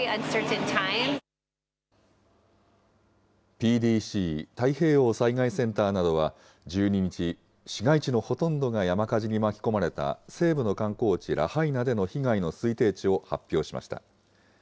ＰＤＣ・太平洋災害センターなどは、１２日、市街地のほとんどが山火事に巻き込まれた西部の観光地ラハイナでの被害の推定値を発表しました。